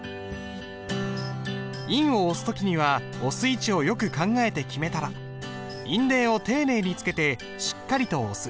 印を押す時には押す位置をよく考えて決めたら印泥を丁寧につけてしっかりと押す。